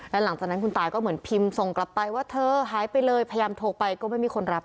แล้วหลังจากนั้นคุณตายก็เหมือนพิมพ์ส่งกลับไปว่าเธอหายไปเลยพยายามโทรไปก็ไม่มีคนรับ